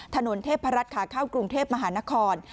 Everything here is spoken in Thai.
ถนนเทพรัฐขาเข้ากรุงเทพมหานคร